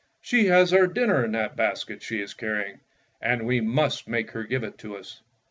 " She has our dinner in that basket she is carrying, and we must make her give it to us."